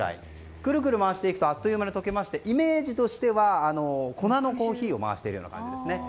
くるくる回していくとあっという間に溶けましてイメージとしては粉のコーヒーを回しているような感じですね。